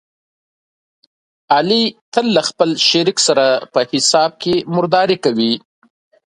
علي تل له خپل شریک سره په حساب کې مردارې کوي.